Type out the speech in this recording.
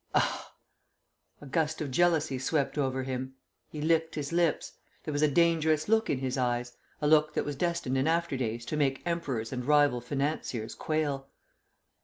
"Ah!" A gust of jealousy swept over him. He licked his lips. There was a dangerous look in his eyes a look that was destined in after days to make Emperors and rival financiers quail.